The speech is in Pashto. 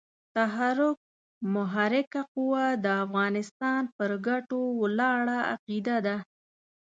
تحرک محرکه قوه د افغانستان پر ګټو ولاړه عقیده ده.